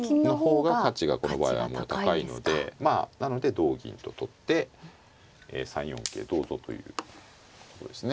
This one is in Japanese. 同銀と取って３四桂どうぞということですね。